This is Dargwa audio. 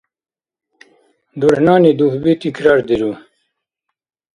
ДурхӀнани дугьби тикрардиру.